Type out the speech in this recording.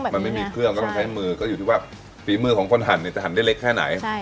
มันไม่มีเครื่องก็ต้องใช้มือก็อยู่ที่ว่าฝีมือของคนหั่นจะหั่นได้เล็กแค่ไหน